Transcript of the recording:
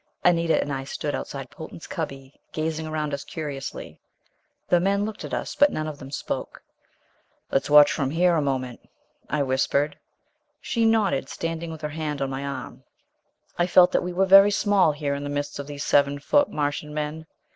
Anita and I stood outside Potan's cubby, gazing around us curiously. The men looked at us but none of them spoke. "Let's watch from here a moment," I whispered. She nodded, standing with her hand on my arm. I felt that we were very small, here in the midst of these seven foot Martian men.